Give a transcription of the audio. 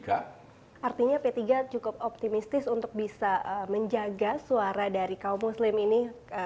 artinya p tiga cukup optimistis untuk bisa menjaga suara dari kaum muslim ini